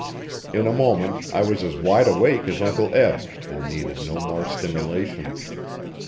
In a moment I was as wide awake as Uncle Eb and needed no more stimulation.